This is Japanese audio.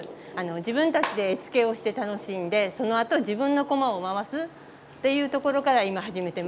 自分たちで絵付けをして楽しんでそのあと自分のこまを回すっていうところから今、始めています。